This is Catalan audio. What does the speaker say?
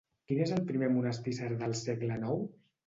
Quin és el primer monestir cerdà al segle ix?